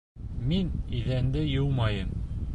Мин... иҙәнде йыумайым!